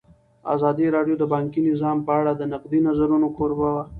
ازادي راډیو د بانکي نظام په اړه د نقدي نظرونو کوربه وه.